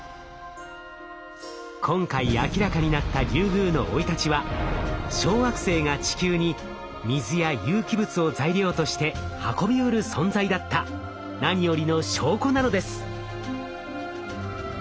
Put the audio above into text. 今回明らかになったリュウグウの生い立ちは小惑星が地球に水や有機物を材料として運びうる存在だった何よりの証拠なのです。